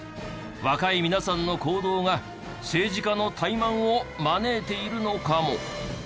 若い皆さんの行動が政治家の怠慢を招いているのかも？